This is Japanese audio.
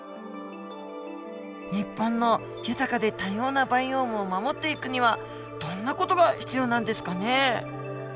日本の豊かで多様なバイオームを守っていくにはどんな事が必要なんですかね。